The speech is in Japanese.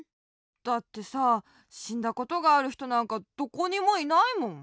だってさしんだことがあるひとなんかどこにもいないもん。